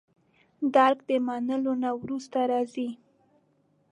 درک د منلو نه وروسته راځي.